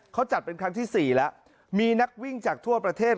เขาจัดเป็นครั้งที่สี่แล้วมีนักวิ่งจากทั่วประเทศ